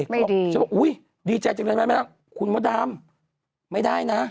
ไม่ดีดีใจจากแม่น้ำโขงคุณมดรามไม่ได้นะ